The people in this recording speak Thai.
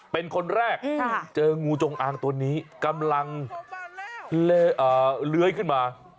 เป็นคนแรกเจองูจงอางตัวนี้กำลังเลื้อยขึ้นมา